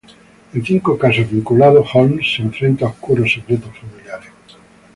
En cinco casos vinculados, Holmes se enfrenta oscuros secretos familiares.